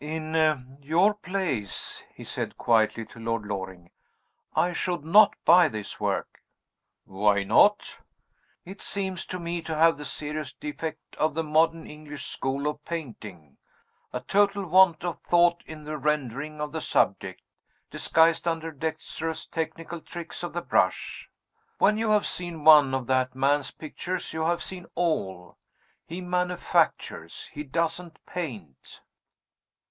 "In your place," he said quietly to Lord Loring, "I should not buy this work." "Why not?" "It seems to me to have the serious defect of the modern English school of painting. A total want of thought in the rendering of the subject, disguised under dexterous technical tricks of the brush. When you have seen one of that man's pictures, you have seen all. He manufactures he doesn't paint."